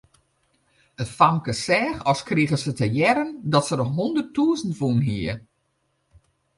It famke seach as krige se te hearren dat se de hûnderttûzen wûn hie.